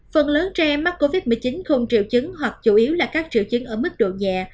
phần lớn trẻ mắc covid một mươi chín không triệu chứng hoặc chủ yếu là các triệu chứng ở mức độ nhẹ